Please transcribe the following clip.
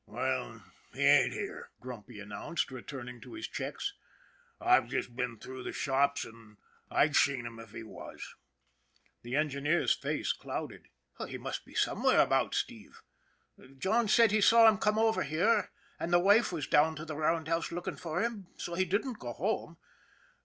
" Well, he ain't here," Grumpy announced, returning to his checks. " I've just been through the shops, an' I'd seen him if he was." The engineer's face clouded. " He must be some where about, Steve. John said he saw him come over here, and the wife was down to the roundhouse looking for him, so he didn't go home.